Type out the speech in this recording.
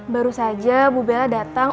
baru saja bu bella datang